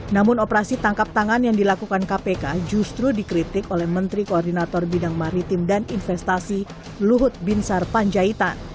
namun operasi tangkap tangan yang dilakukan kpk justru dikritik oleh menteri koordinator bidang maritim dan investasi luhut binsar panjaitan